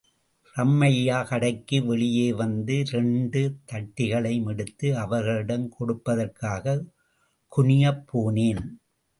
ராமய்யா, கடைக்கு வெளியே வந்து, இரண்டு தட்டிகளையும் எடுத்து, அவர்களிடம் கொடுப்பதற்காக குனியப் போனான்.